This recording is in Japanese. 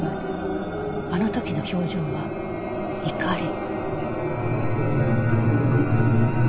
あの時の表情は怒り？